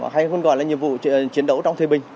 hay còn gọi là nhiệm vụ chiến đấu trong thời bình